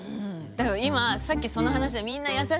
だけど今さっきその話でみんな「優しい」って。